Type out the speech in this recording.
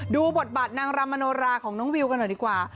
ดูบทบาทนางรำมโนราของน้องวิวกันหน่อยดีกว่า